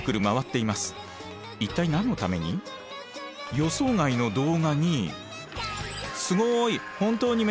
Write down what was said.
予想外の動画に。